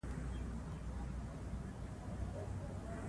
هنر د ټولنې د اصلاح او د خلکو د بیدارۍ یوه پیاوړې وسیله ده.